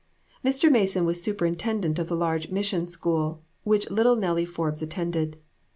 Mr. Mason was superintendent of the large mis sion school which little Nellie Forbes attended.